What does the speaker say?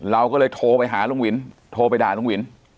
เราก็เลยโทรไปหาลุงวินโทรไปด่าลุงวิน